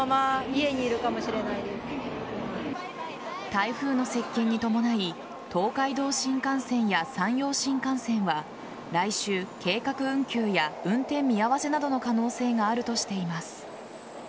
台風の接近に伴い東海道新幹線や山陽新幹線は来週、計画運休や運転見合わせなどの可能性があるとしています。